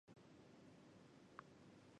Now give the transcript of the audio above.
准噶尔猪毛菜是苋科猪毛菜属的植物。